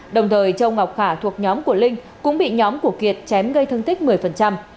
đồng thời châu ngọc khả thuộc nhóm của linh cũng bị nhóm của kiệt chém gây thương tích một mươi